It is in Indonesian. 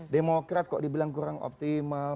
demokrat kok dibilang kurang optimal